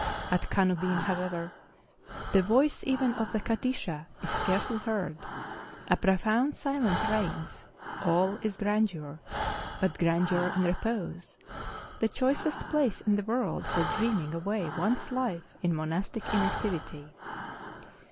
At Canubin, however, the voice even of the Kadisha is scarcely heard ; a profound silence reigns, all is grandeur, but grandeur in repose,—the choicest place in the world for dreaming away one's life in monastic inactivity.